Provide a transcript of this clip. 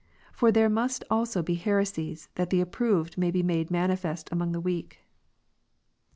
For there must also be heresies, that the ap proval may be made manifest among the iveak.